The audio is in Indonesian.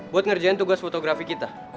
buat ngerjain tugas fotografi kita